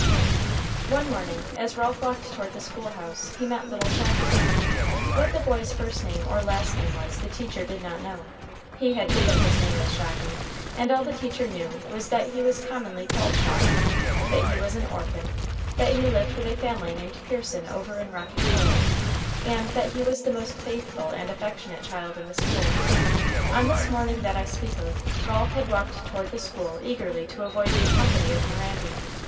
One morning, as Ralph walked toward the school house, he met little Shocky. What the boy's first name or last name was the teacher did not know. He had given his name as Shocky, and all the teacher knew was that he was commonly called Shocky, that he was an orphan, that he lived with a family named Pearson over in Rocky Hollow, and that he was the most faithful and affectionate child in the school. On this morning that I speak of, Ralph had walked toward the school early to avoid the company of Mirandy.